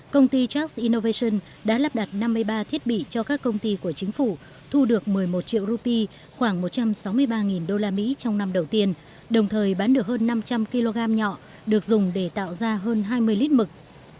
công ty charles innovation đã lắp đặt năm mươi ba thiết bị cho các công ty của chính phủ thu được một mươi một triệu rupee khoảng một trăm sáu mươi ba usd trong năm đầu tiên đồng thời bán được hơn năm trăm linh kg nhọ được dùng để tạo ra hơn hai mươi lít mực